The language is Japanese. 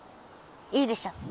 いいでしょ。